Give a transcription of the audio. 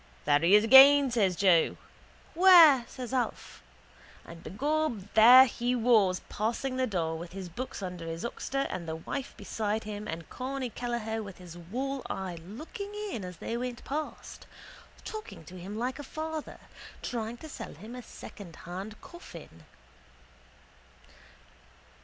— There he is again, says Joe. —Where? says Alf. And begob there he was passing the door with his books under his oxter and the wife beside him and Corny Kelleher with his wall eye looking in as they went past, talking to him like a father, trying to sell him a secondhand coffin.